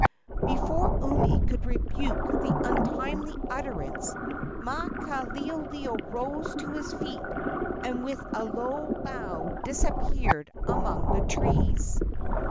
Before Umi could rebuke the untimely utterance Maukaleoleo rose to his feet and with a low bow disappeared among the trees.